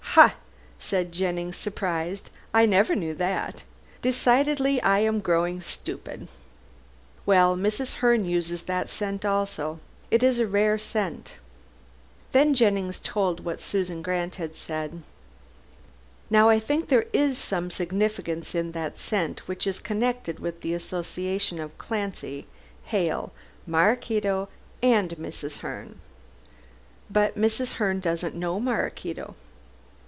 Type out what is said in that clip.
"Ha!" said Jennings, surprised. "I never knew that. Decidedly, I am growing stupid. Well, Mrs. Herne uses that scent also. It is a rare scent." Then Jennings told what Susan Grant had said. "Now I think there is some significance in this scent which is connected with the association of Clancy, Hale, Maraquito and Mrs. Herne." "But Mrs. Herne doesn't know Maraquito."